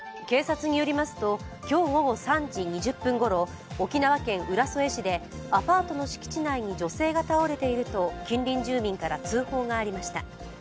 警察によりますと、今日午後３時２０分ごろ沖縄県浦添市でアパートの敷地内に女性が倒れていると近隣住民から通報がありました。